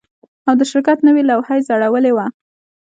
او د شرکت نوې لوحه یې ځړولې وه